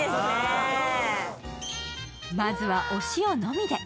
まずはお塩のみで。